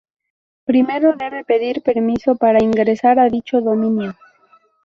Primero debe pedir permiso para ingresar a dicho dominio.